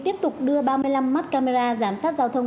tiếp tục đưa ba mươi năm mắt camera giám sát giao thông